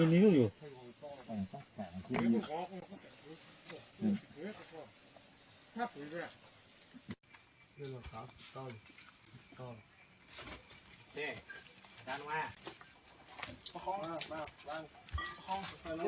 ๑มิตร๑มิตร